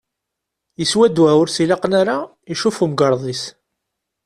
Yeswa ddwa ur s-ilaqen ara icuf umgarḍ-is.